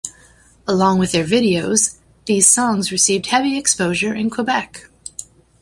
Along with their videos, these songs received heavy exposure in Quebec.